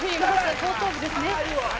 後頭部ですね。